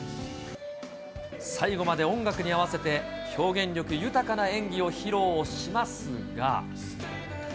最後まで音楽に合わせて、表現力豊かな演技を披露しますが。